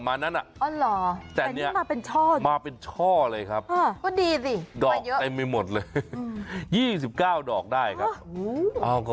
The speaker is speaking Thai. อาจจะชูช่อออกมากี่ดอก